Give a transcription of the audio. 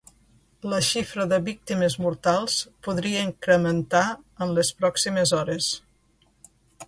La xifra de víctimes mortals podria incrementar en les pròximes hores.